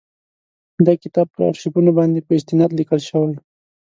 دا کتاب پر آرشیفونو باندي په استناد لیکل شوی.